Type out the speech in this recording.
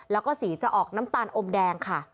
แล้วก็สีจะออกน้ำตาลอมแดงค่ะ